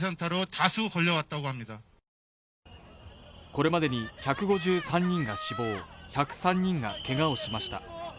これまでに１５３人が死亡、１０３人がけがをしました。